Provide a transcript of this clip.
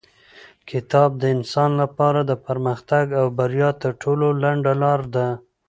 کتاب د انسان لپاره د پرمختګ او بریا تر ټولو لنډه لاره ده.